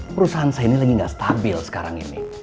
perusahaan saya ini lagi nggak stabil sekarang ini